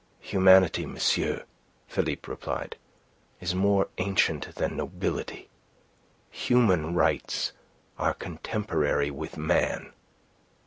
"Humanity, monsieur," Philippe replied, "is more ancient than nobility. Human rights are contemporary with man."